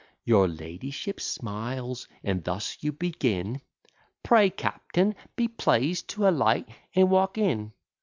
Your ladyship smiles, and thus you begin: 'Pray, captain, be pleased to alight and walk in.'